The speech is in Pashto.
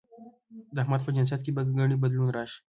د احمد په جنسيت کې به ګنې بدلون راشي؟